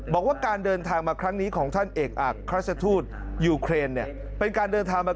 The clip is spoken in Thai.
บอกว่าการเดินทางมาครั้งนี้ของท่านเอกอักราชทูตยูเครนเนี่ยเป็นการเดินทางมา